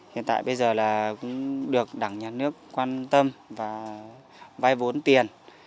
hiện tại bây giờ là cũng được đảng nhà nước quan tâm và vay vốn tiền